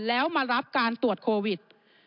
แล้วมารับการตรวจโควิด